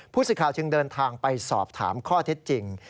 ผู้สื่อข่าวจึงเดินทางไปสอบถามข้อเท็จจริง